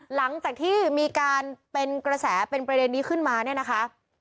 หลังจากที่มีการเป็นกระแสเป็นประเด็นนี้ขึ้นมาเนี่ยนะคะ